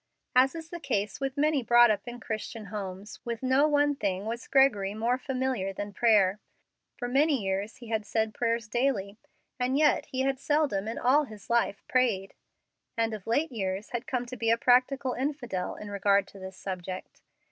As is the case with many brought up in Christian homes, with no one thing was Gregory more familiar than prayer. For many years he had said prayers daily, and yet he had seldom in all his life prayed, and of late years had come to be a practical infidel in regard to this subject.